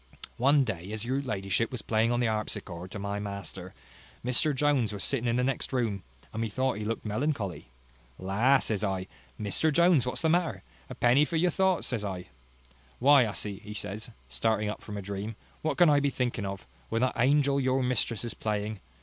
One day, as your ladyship was playing on the harpsichord to my master, Mr Jones was sitting in the next room, and methought he looked melancholy. La! says I, Mr Jones, what's the matter? a penny for your thoughts, says I. Why, hussy, says he, starting up from a dream, what can I be thinking of, when that angel your mistress is playing?